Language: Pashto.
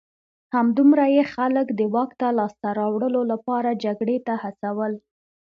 همدومره یې خلک د واک لاسته راوړلو لپاره جګړې ته هڅول